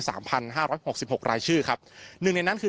สามพันห้าร้อยหกสิบหกรายชื่อครับหนึ่งในนั้นคือ